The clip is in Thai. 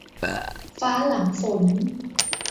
ฟ้าหลังฝน